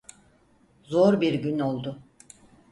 Zor bir gün oldu.